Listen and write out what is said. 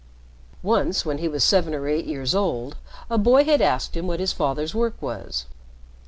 Once, when he was seven or eight years old, a boy had asked him what his father's work was.